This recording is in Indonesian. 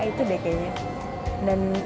itu deh kayaknya dan